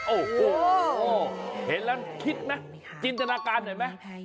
โอ้โหเห็นแล้วคิดไหมจินตนาการหน่อยไหม